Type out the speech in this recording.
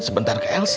sebentar ke elsa